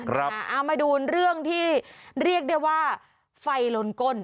เอามาดูเรื่องที่เรียกได้ว่าไฟลนก้น